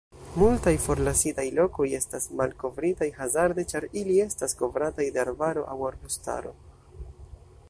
Multaj forlasitaj lokoj estas malkovritaj hazarde ĉar ili estas kovrataj de arbaro au arbustaro.